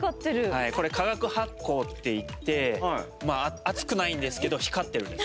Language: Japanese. はいこれ化学発光っていって熱くないんですけど光ってるんですね。